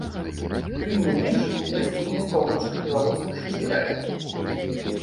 Тым не менш гасціннасць паўночных беларусаў шчырая.